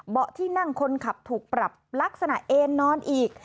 ที่นั่งคนขับถูกปรับลักษณะเอ็นนอนอีก